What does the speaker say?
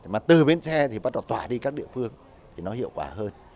mà từ bến xe thì bắt đầu tỏa đi các địa phương thì nó hiệu quả hơn